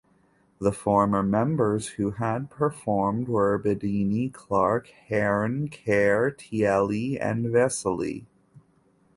The former members who had performed were Bidini, Clark, Hearn, Kerr, Tielli and Vesely.